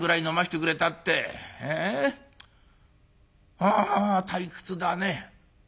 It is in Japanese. あ退屈だね。